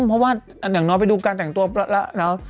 เพราะว่าอย่างน้อยไปดูการแต่งตัวแล้ว